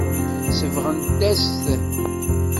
Sebɣent-as-t.